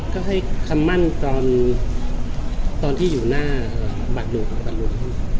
ก็ให้คำมั่นตอนที่อยู่หน้าบาทหลุง